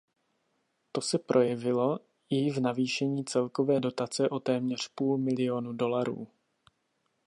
To se projevilo i v navýšení celkové dotace o téměř půl miliónu dolarů.